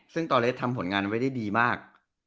ซึ่งตอนเล็กทำผลงานไว้ได้ดีมาก